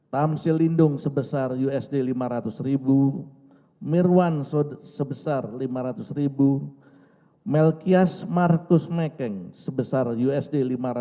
tamsil lindung sebesar usd lima ratus mirwan sebesar lima ratus ribu melkias marcus mekeng sebesar usd lima ratus